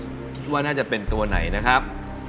คิดว่าน่าจะเป็นตัวไหนนะครับ